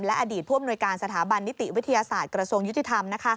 อดีตผู้อำนวยการสถาบันนิติวิทยาศาสตร์กระทรวงยุติธรรม